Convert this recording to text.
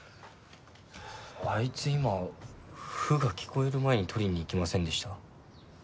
あいつ今「ふ」が聞こえる前に取りに行きませんでした？